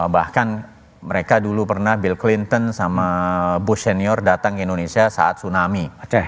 bahkan mereka dulu pernah bill clinton sama bush senior datang ke indonesia saat tsunami